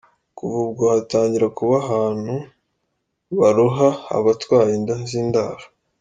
Kuva ubwo hatangira kuba ahantu baroha abatwaye inda z’indaro.